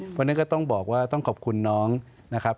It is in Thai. เพราะฉะนั้นก็ต้องบอกว่าต้องขอบคุณน้องนะครับ